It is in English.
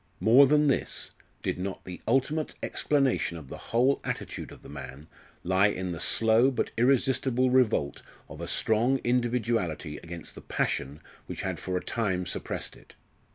More than this: did not the ultimate explanation of the whole attitude of the man lie in the slow but irresistible revolt of a strong individuality against the passion which had for a time suppressed it?